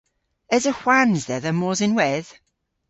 Esa hwans dhedha mos ynwedh?